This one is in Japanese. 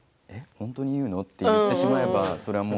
本当に言うの？」って言ってしまえば、それはもう。